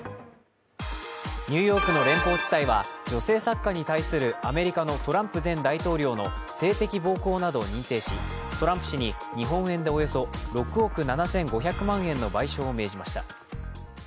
ニューヨークの連邦地裁は女性作家に対するアメリカのトランプ前大統領の性的暴行などを認定しトランプ氏に日本円でおよそ６億７５００万円の賠償を命じました。